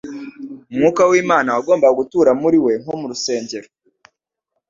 Umwuka w'Imana wagombaga gutura muri we nko mu rusengero.